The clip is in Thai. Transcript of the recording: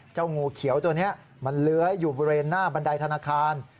งูเขียวตัวนี้มันเลื้อยอยู่บริเวณหน้าบันไดธนาคาร